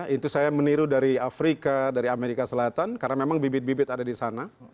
itu saya meniru dari afrika dari amerika selatan karena memang bibit bibit ada di sana